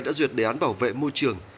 đã duyệt đề án bảo vệ môi trường